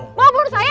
mau bunuh saya